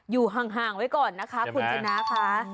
อยู่ห่างไว้ก่อนนะคะคุณชนะค่ะ